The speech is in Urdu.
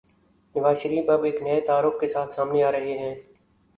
نوازشریف اب ایک نئے تعارف کے ساتھ سامنے آرہے ہیں۔